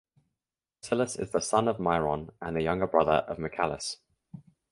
Vasilis is the son of Myron and the younger brother of Michalis.